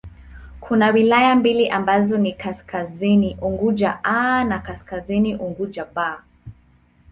Kuna wilaya mbili ambazo ni Kaskazini Unguja 'A' na Kaskazini Unguja 'B'.